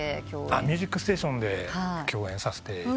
『ミュージックステーション』で共演させていただいて。